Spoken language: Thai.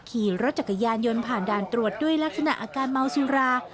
ขี่รถจักรยานยนต์ผ่านด่านตรวจด้วยลักษณะอาการเมาสุรา